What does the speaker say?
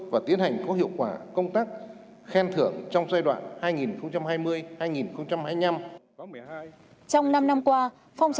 và tiến hành có hiệu quả công tác khen thưởng trong giai đoạn hai nghìn hai mươi hai nghìn hai mươi năm